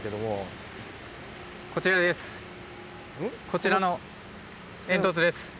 こちらの煙突です。